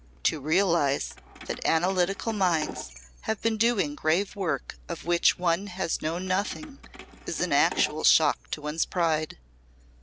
"To realise that analytical minds have been doing grave work of which one has known nothing is an actual shock to one's pride.